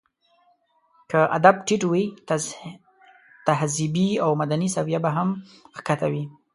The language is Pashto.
که ادب ټيت وي، تهذيبي او مدني سويه به هم ښکته وي.